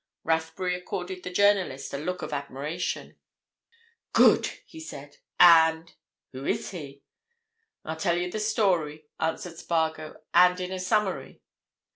Rathbury accorded the journalist a look of admiration. "Good!" he said. "And—who is he?" "I'll tell you the story," answered Spargo, "and in a summary.